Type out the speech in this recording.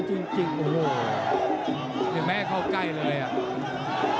สู้จริงโอ้โหยังแม่เข้าใกล้เลยอ่ะ